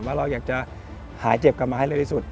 ว่าเราอยากจะหายเจ็บกลับมาให้เร็วที่สุด